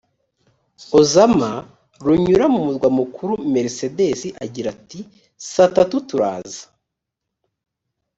ozama runyura mu murwa mukuru mercedes agira ati saa tatu turaza